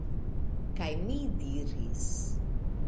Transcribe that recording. Kaj mi diris: